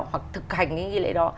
hoặc thực hành những cái nghi lễ đó